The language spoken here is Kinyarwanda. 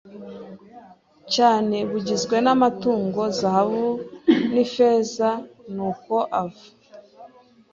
cyane bugizwe n amatungo zahabu n ifeza e Nuko ava